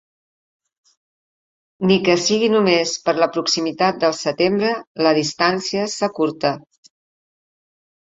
Ni que siga només per la proximitat del setembre, la distància s’acurta.